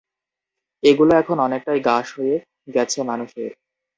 এগুলো এখন অনেকটাই গা সয়ে গেছে মানুষের।